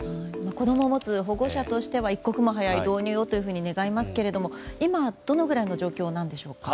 子供を持つ保護者としては一刻も早い導入をと願いますけれども今、どのぐらいの状況なんでしょうか。